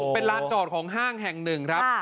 เป็นลานจอดของห้างแห่งหนึ่งครับ